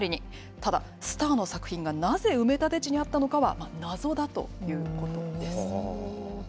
ただ、スターの作品がなぜ埋め立て地にあったのかは謎だということです。